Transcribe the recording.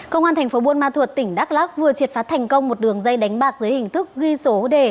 công an thành phố buôn ma thuột tỉnh đắk lắc vừa triệt phá thành công một đường dây đánh bạc dưới hình thức ghi số đề